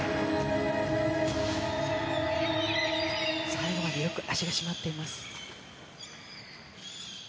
最後までよく脚が締まっています。